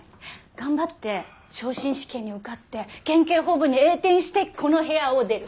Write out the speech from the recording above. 頑張って昇進試験に受かって県警本部に栄転してこの部屋を出る。